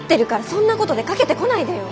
そんなことでかけてこないでよ。